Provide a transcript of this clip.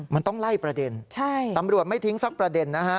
มันต้องไล่ประเด็นตำรวจไม่ทิ้งสักประเด็นนะฮะ